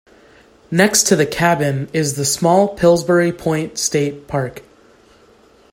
Next to the cabin is the small Pillsbury Point State Park.